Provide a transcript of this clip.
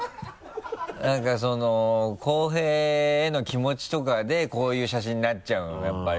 何か広平への気持ちとかでこういう写真になっちゃうのやっぱり。